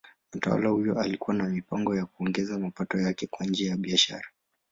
Mtawala huyo alikuwa na mipango ya kuongeza mapato yake kwa njia ya biashara.